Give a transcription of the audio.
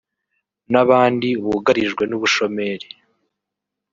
n’abandi bugarijwe n’ubushomeri